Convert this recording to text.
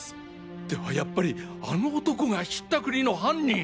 ではやっぱりあの男が引ったくりの犯人！